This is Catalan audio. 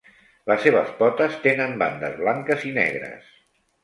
Les seves potes tenen bandes blanques i negres.